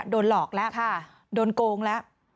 โดนหลอกแล้วโดนโกงแล้ว